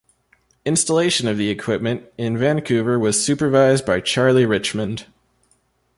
Installation of the equipment in Vancouver was supervised by Charlie Richmond.